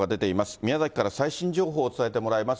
宮崎から最新情報を伝えてもらいます。